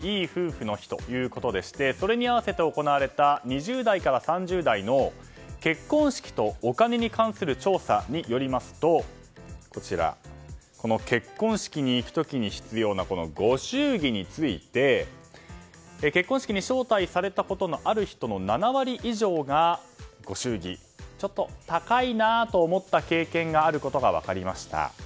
今日１１月２２日はいい夫婦の日ということでしてそれに合わせて行われた２０代から３０代の結婚式とお金に関する調査によりますと結婚式に行く時に必要なご祝儀について結婚式に招待されたことのある人の７割以上がご祝儀、ちょっと高いなと思った経験があることが分かりました。